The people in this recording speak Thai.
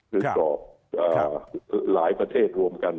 คือกรอบหลายประเทศรวมกัน